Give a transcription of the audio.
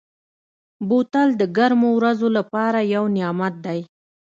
بوتل د ګرمو ورځو لپاره یو نعمت دی.